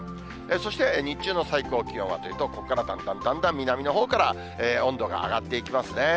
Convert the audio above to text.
そして日中の最高気温はというと、ここからだんだんだんだん南のほうから温度が上がっていきますね。